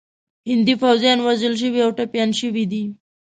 هندي پوځیان وژل شوي او ټپیان شوي دي.